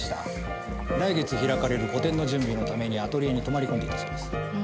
来月開かれる個展の準備のためにアトリエに泊まり込んでいたそうです。